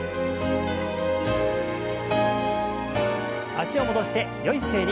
脚を戻してよい姿勢に。